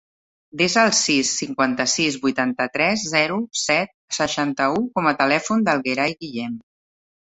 Desa el sis, cinquanta-sis, vuitanta-tres, zero, set, seixanta-u com a telèfon del Gerai Guillem.